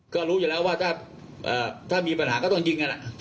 ก็รู้อยู่แล้วว่าถ้ามีปัญหาก็ต้องยิงกัน